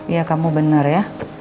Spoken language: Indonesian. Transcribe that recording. iya kamu benar ya